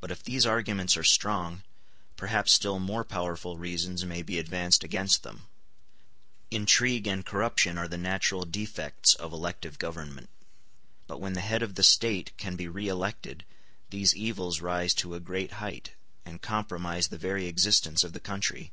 But if these arguments are strong, perhaps still more powerful reasons may be advanced against them. Intrigue and corruption are the natural defects of elective government; but when the head of the State can be re elected these evils rise to a great height, and compromise the very existence of the country.